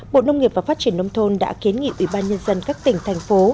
bộ nông nghiệp và phát triển nông thôn đã kiến nghị ủy ban nhân dân các tỉnh thành phố